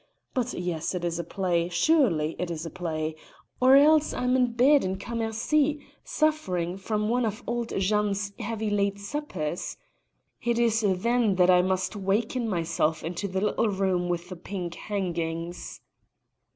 But yes, it is a play; surely it is a play; or else I am in bed in Cammercy suffering from one of old Jeanne's heavy late suppers. It is then that I must waken myself into the little room with the pink hangings."